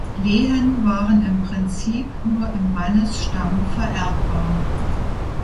Lehen waren im Prinzip nur im Mannesstamm vererbbar.